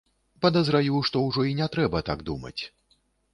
Падазраю, што ўжо і не трэба так думаць.